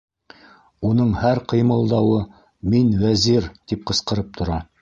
Уның һәр ҡыймылдауы: «Мин Вәзир!» - тип ҡысҡырып тора.